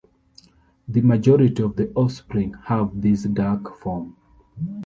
The majority of the offspring have this dark form.